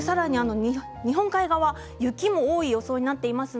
日本海側雪が多い予想になっています。